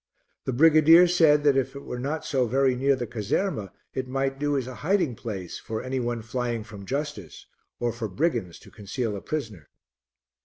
The brigadier said that if it were not so very near the caserma, it might do as a hiding place for any one flying from justice, or for brigands to conceal a prisoner.